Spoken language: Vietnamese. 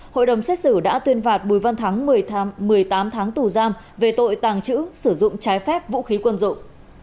hội đồng xét xử đã tuyên phạt bùi văn thắng một mươi tám tháng tù giam về tội tàng trữ sử dụng trái phép vũ khí quân dụng